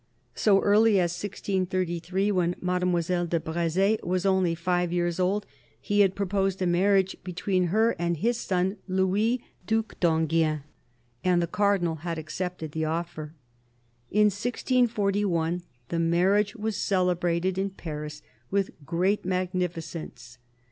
So early as 1633, when Mademoiselle de Breze was only five years old, he had proposed a marriage between her and his son Louis, Due d'Enghien, and the Cardinal had accepted the offer. In 1641 the marriage was celebrated in Paris with great magnificence.